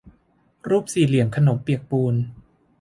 รูปสี่เหลี่ยมขนมเปียกปูน